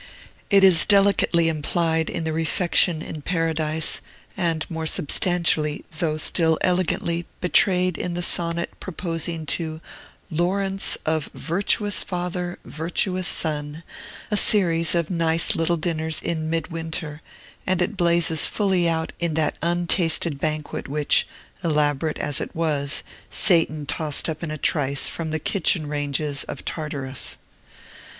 It is delicately implied in the refection in Paradise, and more substantially, though still elegantly, betrayed in the sonnet proposing to "Laurence, of virtuous father virtuous son," a series of nice little dinners in midwinter and it blazes fully out in that untasted banquet which, elaborate as it was, Satan tossed up in a trice from the kitchen ranges of Tartarus.